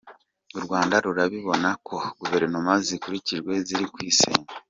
U Rwanda rurabibona ko Guverinoma zirukikije ziri kwisenya.